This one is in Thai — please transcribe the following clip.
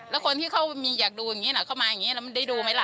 แล้วคนที่เขาอยากดูอย่างนี้เข้ามาอย่างนี้แล้วมันได้ดูไหมล่ะ